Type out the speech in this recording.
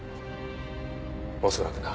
恐らくな。